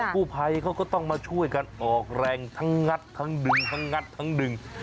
ผู้ภัยเขาก็ต้องมาช่วยกันออกแรงทั้งงัดทั้งดึงทั้งงัดทั้งดึง